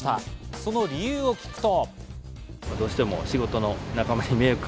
その理由を聞くと。